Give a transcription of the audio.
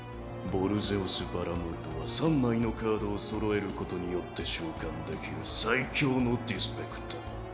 ヴォルゼオス・バラモルドは３枚のカードを揃えることによって召喚できる最強のディスペクター。